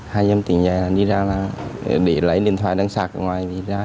hai h em tỉnh dậy là đi ra là để lấy điện thoại đang sạc ở ngoài đi ra